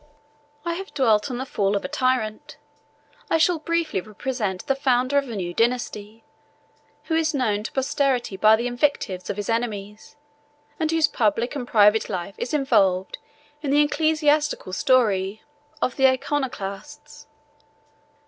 I have dwelt on the fall of a tyrant; I shall briefly represent the founder of a new dynasty, who is known to posterity by the invectives of his enemies, and whose public and private life is involved in the ecclesiastical story of the Iconoclasts.